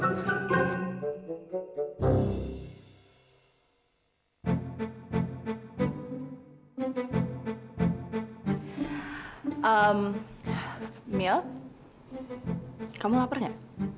ehm mil kamu lapar gak